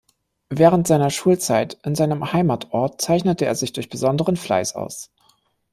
Während seiner Schulzeit in seinem Heimatort zeichnete er sich durch besonderen Fleiß aus.